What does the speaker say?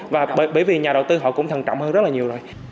và bởi vì nhà đầu tư họ cũng thần trọng hơn rất là nhiều rồi